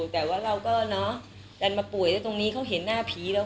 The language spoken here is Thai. แต่ว่าเราก็เนอะดันมาป่วยแล้วตรงนี้เขาเห็นหน้าผีแล้ว